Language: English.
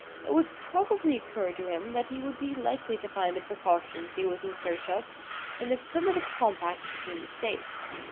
It would probably occur to him, that he would be likely to find the precautions he was in search of in the primitive compact between the States.